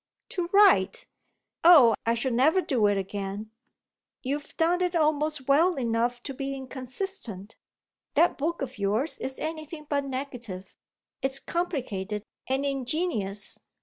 "To write? Oh I shall never do it again!" "You've done it almost well enough to be inconsistent. That book of yours is anything but negative; it's complicated and ingenious."